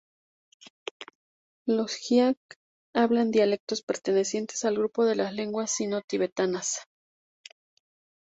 Los qiang hablan dialectos pertenecientes al grupo de las lenguas sino-tibetanas.